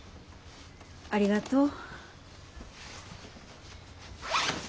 ありがとう。